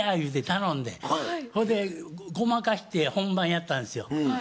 言うて頼んでそれでごまかして本番やったんですよ。